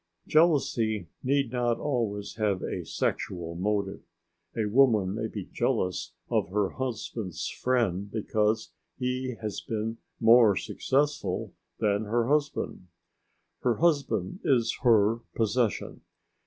Jealousy need not always have a sexual motive. A woman may be jealous of her husband's friend because he has been more successful than her husband. Her husband is her possession.